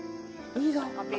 いいぞ！